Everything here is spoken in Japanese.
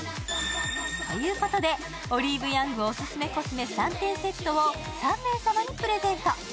ということで、オリーブヤングオススメコスメ３点セットを３名様にプレゼント。